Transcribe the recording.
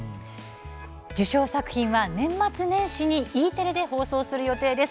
受賞作品は、年末年始にＥテレで放送する予定です。